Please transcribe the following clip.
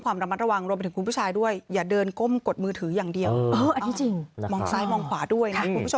ความละมัดระวังว่าถึงผู้ชายด้วยอย่าเดินก้มกดมือถืออย่างเดียวนี่จริงมองสายมองขวาด้วย๑๒๔